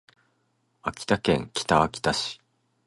秋田県北秋田市